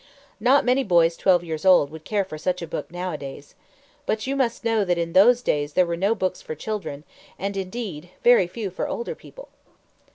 Not many boys twelve years old would care for such a book nowadays. But you must know that in those days there were no books for children, and, indeed, very few for older people.